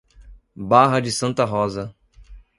Barra de Santa Rosa